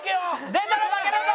出たら負けだぞ。